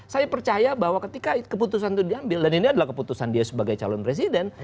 saya percaya bahwa ketika keputusan itu diambil dan ini adalah keputusan dia sebagai calon presiden